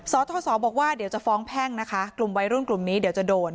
สทศบอกว่าเดี๋ยวจะฟ้องแพ่งนะคะกลุ่มวัยรุ่นกลุ่มนี้เดี๋ยวจะโดน